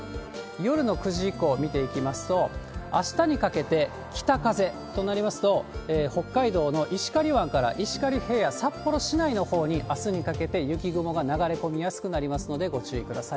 夜の９時以降、見ていきますと、あしたにかけて、北風となりますと、北海道の石狩湾から石狩平野、札幌市内のほうに、あすにかけて雪雲が流れ込みやすくなりますので、ご注意ください。